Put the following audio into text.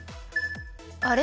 あれ？